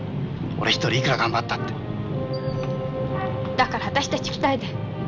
だから私たち２人で。